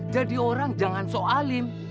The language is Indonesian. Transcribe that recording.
jadi orang jangan soalin